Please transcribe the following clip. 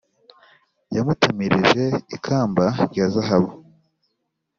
yamutamirije ikamba rya zahabu,